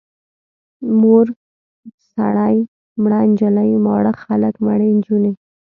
مور سړی، مړه نجلۍ، ماړه خلک، مړې نجونې.